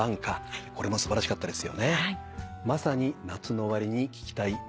まさに夏の終わりに聴きたい名曲です。